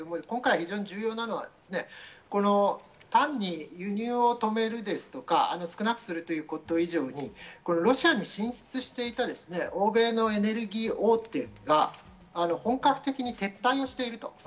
今回、重要なのは単に輸入を止めるですとか、少なくするということ以上にロシアに進出していた欧米のエネルギー大手が本格的に撤退をしていると。